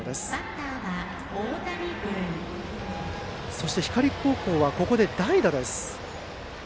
そして、光高校は代打です。